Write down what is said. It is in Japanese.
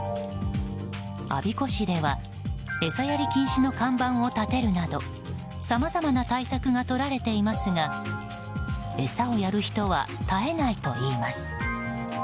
我孫子市では餌やり禁止の看板を立てるなどさまざまな対策がとられていますが餌をやる人は絶えないといいます。